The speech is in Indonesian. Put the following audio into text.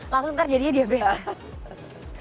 langsung ntar jadinya diabetes